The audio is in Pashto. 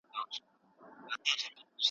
د هند حکومت د سلما بند ولې جوړ کړ؟